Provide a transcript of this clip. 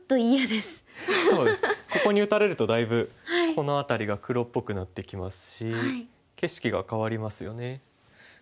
ここに打たれるとだいぶこの辺りが黒っぽくなってきますし景色が変わりますよね。